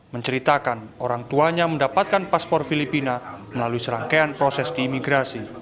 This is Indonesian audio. menceritakan orang tuanya mendapatkan paspor filipina melalui serangkaian proses di imigrasi